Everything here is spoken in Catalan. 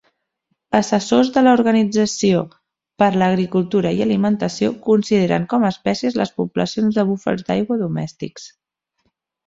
Assessors de l'Organització per a l'agricultura i alimentació consideren com a espècies les poblacions de búfals d'aigua domèstics.